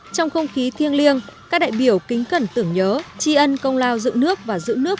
trong không khí thiêng liêng các đại biểu kính cẩn tưởng nhớ tri ân công lao dựng nước và giữ nước